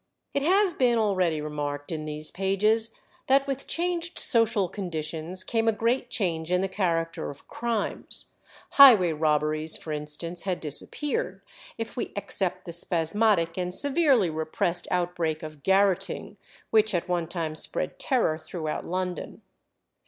It has been already remarked in these pages that with changed social conditions came a great change in the character of crimes. Highway robberies, for instance, had disappeared, if we except the spasmodic and severely repressed outbreak of "garotting," which at one time spread terror throughout London.